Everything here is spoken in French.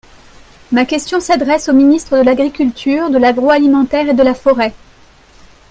Ma question s’adresse au ministre de l’agriculture, de l’agroalimentaire et de la forêt.